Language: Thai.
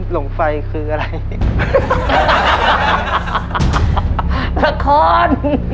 หลงไฟคืออะไร